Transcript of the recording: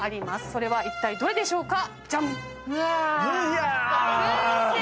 それはいったいどれでしょうか？